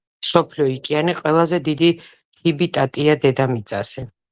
მსოფლიო იკეანე ყველაზე დიდი ჰიბიტატია დედამიწაზე